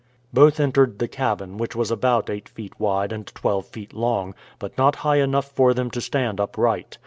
Both entered the cabin, which was about eight feet wide and twelve feet long, but not high enough for them to stand upright.